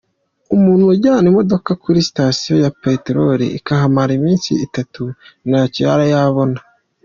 Umuntu ajyana imodoka kuri stasiyo ya petrol ikahamara iminsi itatu ntacyo yari yabona.